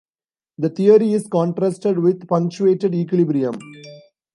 The theory is contrasted with punctuated equilibrium.